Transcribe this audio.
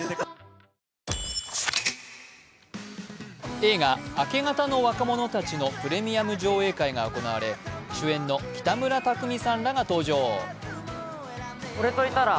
映画「明け方の若者たち」のプレミア上映会が行われ主演の北村匠海さんらが登場。